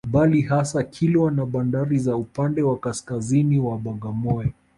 Bali hasa Kilwa na bandari za upande wa kaskaziini wa Bagamoyo